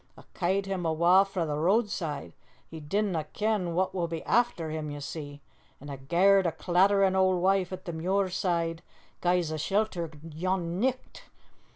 A' ca'd him awa' frae the roadside he didna ken wha would be aifter him ye see an' a' gar'd a clatterin' auld wife at the muir side gie's a shelter yon nicht.